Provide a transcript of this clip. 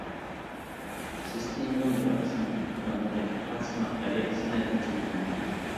سىستېمىنىڭ بىر قىسىم ئىقتىدارلىرى پەقەت سىناق تەرىقىسىدە ئېچىۋېتىلدى.